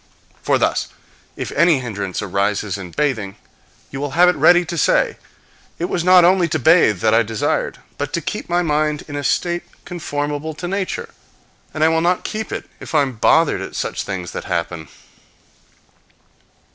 For thus, if any hindrance arises in bathing, you will have it ready to say, "It was not only to bathe that I desired, but to keep my mind in a state conformable to nature; and I will not keep it if I am bothered at things that happen.